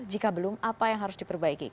jika belum apa yang harus diperbaiki